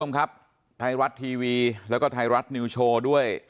คุณครับไทยรัฐทีบีและไทยรัฐนิวโชว์ด้วย